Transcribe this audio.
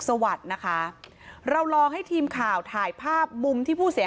สวัสดีนะคะเราลองให้ทีมข่าวถ่ายภาพมุมที่ผู้เสีย